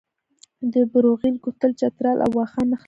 د بروغیل کوتل چترال او واخان نښلوي